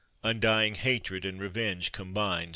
Undying hatred, and revenge combined..